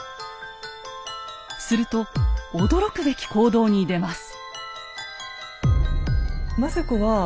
すると驚くべき行動に出ます。